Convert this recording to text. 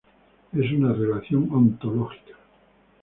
Es una relación ontológica.